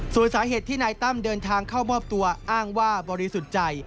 ส่วนสาเหตุที่นายตั้มเดินทางเข้ามอบตัวอ้างว่าบริสุทธิ์ใจ